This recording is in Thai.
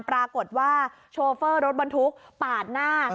ปรากฏว่าโชเฟอร์รถบรรทุกปาดหน้า